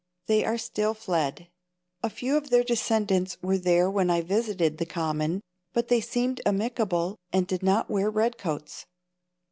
They are still fled. A few of their descendants were there when I visited the Common, but they seemed amicable and did not wear red coats.